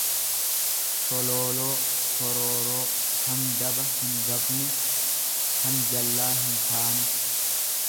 sholooloo sorooroo, kan daba hingabne, kan jallaa hintaane.